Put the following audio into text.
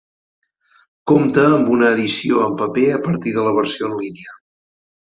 Compta amb una edició en paper a partir de la versió en línia.